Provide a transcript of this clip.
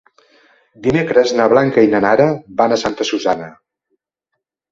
Dimecres na Blanca i na Nara van a Santa Susanna.